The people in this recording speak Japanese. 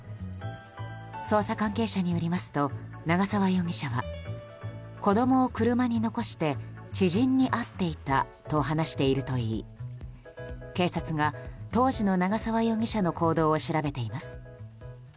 捜査関係者によりますと長澤容疑者は子供を車に残して知人に会っていたと話しているといい警察が当時の長澤容疑者の行動を調べています。